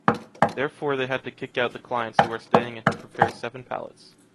Therefore they had to kick out the clients who were staying and to prepare seven pallets.